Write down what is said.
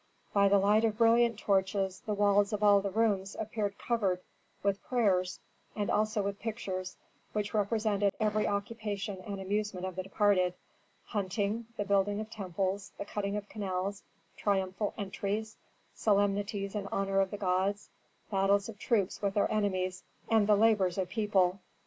By the light of brilliant torches the walls of all the rooms appeared covered with prayers, and also with pictures which represented every occupation and amusement of the departed: hunting, the building of temples, the cutting of canals, triumphal entries, solemnities in honor of the gods, battles of troops with their enemies, the labors of people.